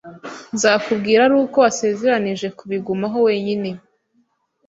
Nzakubwira ari uko wasezeranije kubigumaho wenyine